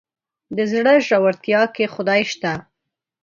د زړه ژورتيا کې خدای شته.